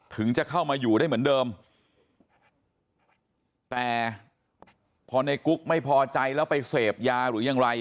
ถึงจะเข้ามาอยู่ได้เหมือนเดิมแต่พอในกุ๊กไม่พอใจแล้วไปเสพยาหรือยังไร